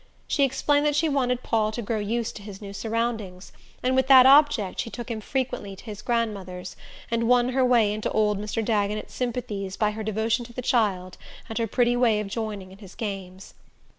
She explained that she wanted Paul to grow used to his new surroundings; and with that object she took him frequently to his grandmother's, and won her way into old Mr. Dagonet's sympathies by her devotion to the child and her pretty way of joining in his games.